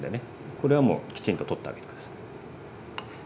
これはもうきちんと取ってあげて下さい。